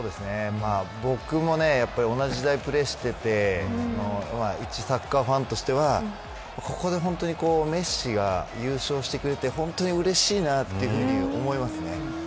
僕も同じ時代にプレーしていていちサッカーファンとしてはここで本当にメッシが優勝してくれて本当にうれしいなと思いますね。